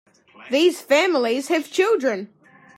These families have children.